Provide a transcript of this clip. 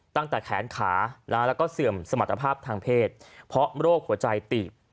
ตั้งแต่แขนขาแล้วก็เสื่อมสมรรถภาพทางเพศเพราะโรคหัวใจตีบ